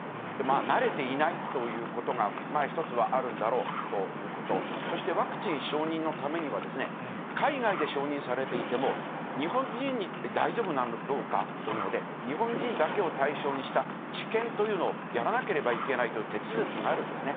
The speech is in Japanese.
慣れていないということが一つはあるんだろうということ、そしてワクチン承認のためにはですね、海外で承認されていても、日本人に大丈夫なのかどうかということで、日本人だけを対象にした治験というのをやらなければいけないという手続きがあるんですね。